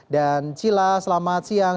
dan cila selamat siang